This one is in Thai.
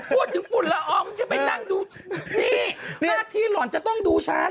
พูดถึงฝุ่นละอองจะไปนั่งดูนี่หน้าที่หล่อนจะต้องดูฉัน